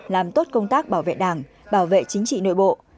làm tốt công tác bảo vệ đảng bảo vệ chính trị nội bộ